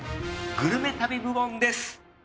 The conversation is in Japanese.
グルメ旅部門です。